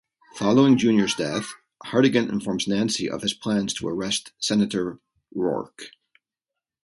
Following Junior's death, Hartigan informs Nancy of his plans to arrest Senator Roark.